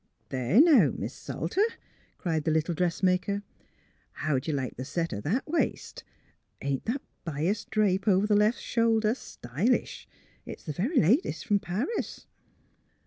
'' There now, Mis' Salter," cried the little dressmaker, '' how d ' you like the set o ' that waist? Ain't that Mas drape over the left shoulder stylish? It's th' very latest from Paris!